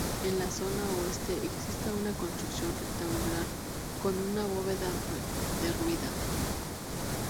En la zona oeste existe una construcción rectangular con una bóveda derruida.